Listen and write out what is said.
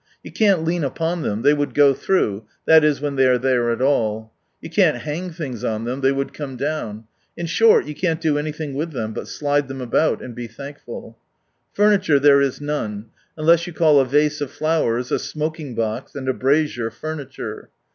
You can't lean upon them — they would go through, (that is, when they are there at all :) you can't hang things on them, they would come down ; in short you can't do anything with Ihera, but slide them about, and be thankful. Furniture there is none, unless you call a vase of flowers, a smoking box, and a brazier, furniture.